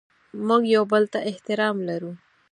موږ یو بل ته احترام لرو.